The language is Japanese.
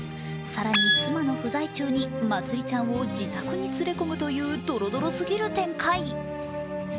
更に妻の不在中にまつりちゃんを自宅に連れ込むというどろどろすぎる展開。